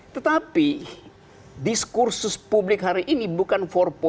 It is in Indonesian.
tetapi diskursus publik hari ini bukan empat